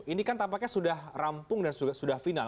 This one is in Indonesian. ini kan tampaknya sudah rampung dan sudah final